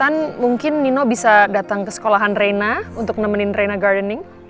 kalau gak keberatan mungkin nino bisa datang ke sekolahan reina untuk nemenin reina gardening